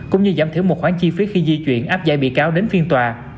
cũng như giảm thiểu một khoản chi phí khi di chuyển áp giải bị cáo đến phiên tòa